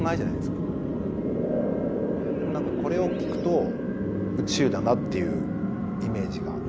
なんか、これを聴くと、宇宙だなっていうイメージが。